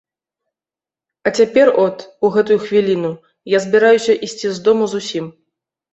А цяпер от, у гэтую хвіліну, я збіраюся ісці з дому зусім.